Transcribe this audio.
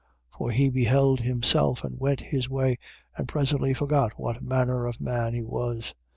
1:24. For he beheld himself and went his way and presently forgot what manner of man he was.